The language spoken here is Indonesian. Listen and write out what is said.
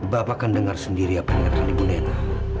bapak kan dengar sendiri apa yang dikatakan ibu nena